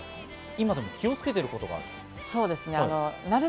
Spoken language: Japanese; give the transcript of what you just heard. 今、気をつけてることがある？